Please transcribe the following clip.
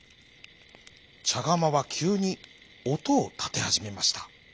ちゃがまはきゅうにおとをたてはじめました。